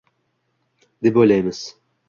deb o‘ylaymiz.